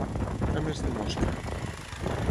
Cames de mosca.